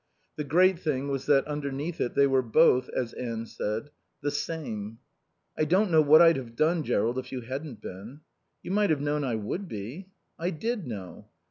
The great thing was that underneath it they were both, as Anne said, "the same." "I don't know what I'd have done, Jerrold, if you hadn't been." "You might have known I would be." "I did know."